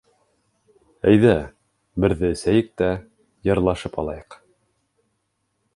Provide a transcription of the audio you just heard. Әйҙә, берҙе эсәйек тә, йырлашып алайыҡ!